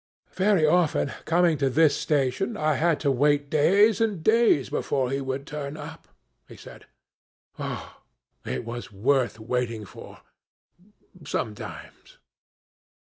'Very often coming to this station, I had to wait days and days before he would turn up,' he said. 'Ah, it was worth waiting for! sometimes.'